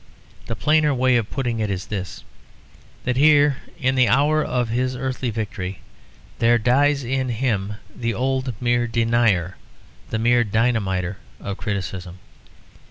The plainer way of putting it is this: that here, in the hour of his earthly victory, there dies in him the old mere denier, the mere dynamiter of criticism.